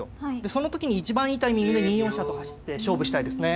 その時に一番いいタイミングで２四飛車と走って勝負したいですね。